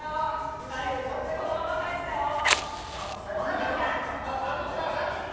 このまま帰っちゃおう。